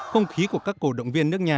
không khí của các cổ động viên nước nhà